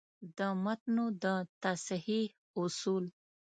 د متونو د تصحیح اصول: